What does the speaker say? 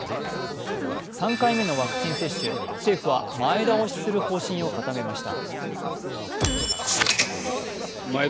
３回目のワクチン接種、政府は前倒しする方針を固めました。